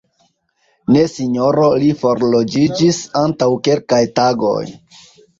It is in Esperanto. Ne Sinjoro, li forloĝiĝis antaŭ kelkaj tagoj.